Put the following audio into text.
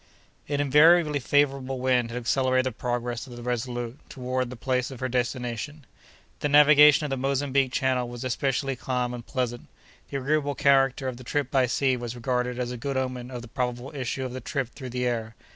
An invariably favorable wind had accelerated the progress of the Resolute toward the place of her destination. The navigation of the Mozambique Channel was especially calm and pleasant. The agreeable character of the trip by sea was regarded as a good omen of the probable issue of the trip through the air.